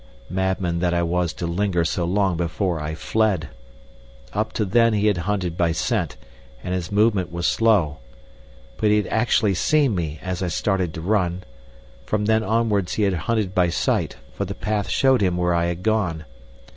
Madman that I was to linger so long before I fled! Up to then he had hunted by scent, and his movement was slow. But he had actually seen me as I started to run. From then onwards he had hunted by sight, for the path showed him where I had gone.